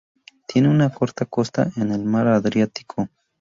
Tiene una corta costa en el Mar Adriático.